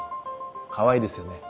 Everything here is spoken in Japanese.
かわいいですよね。